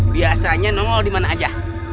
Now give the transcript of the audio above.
biasanya lu ngomong dimana aja